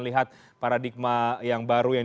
lihat paradigma yang baru yang